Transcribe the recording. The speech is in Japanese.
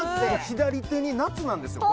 左手に夏なんですよ